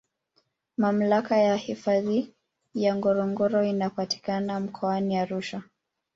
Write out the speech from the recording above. Mamlaka ya hifadhi ya ngorongoro inapatikana Mkoani Arusha